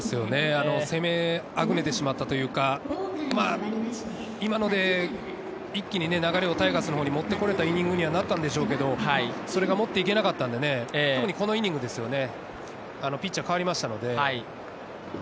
攻めあぐねてしまったというか、今ので一気に流れをタイガースのほうに持ってこれたイニングにはなったんでしょうけど、それが持って行けなかったので、特にこのイニングですよね。